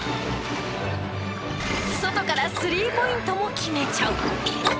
外からスリーポイントも決めちゃう。